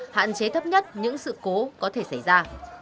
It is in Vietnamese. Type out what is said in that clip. hạn chế thấp nhất những sự cố có thể xảy ra